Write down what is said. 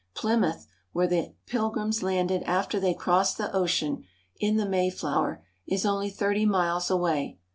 Plymouth, where the Pilgrims landed after they crossed the ocean in the MayJIozver, is only thirty miles away.